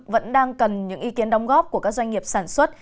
vẫn đang cần những ý kiến đóng góp của các doanh nghiệp sản xuất